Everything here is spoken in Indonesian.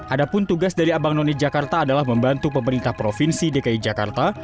adapun tugas dari abang none jakarta adalah membantu pemerintah provinsi dki jakarta